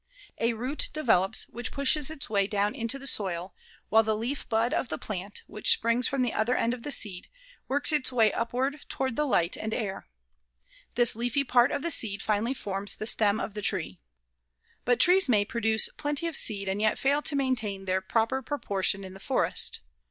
A root develops which pushes its way down into the soil, while the leaf bud of the plant, which springs from the other end of the seed, works its way upward toward the light and air. This leafy part of the seed finally forms the stem of the tree. But trees may produce plenty of seed and yet fail to maintain their proper proportion in the forest.